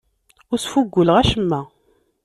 Ur sfuguleɣ acemma.